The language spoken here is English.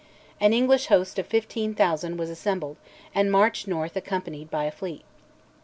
An English host of 15,000 was assembled, and marched north accompanied by a fleet.